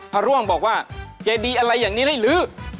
พระร่วงบอกว่าเจดีอะไรอย่างนี้ได้ลื้อ